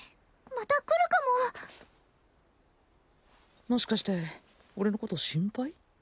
また来るかももしかして俺のこと心配？